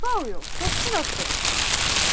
こっちだって。